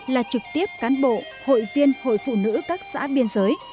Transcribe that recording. là trực tiếp cán bộ hội viên hội phụ nữ các xã biên giới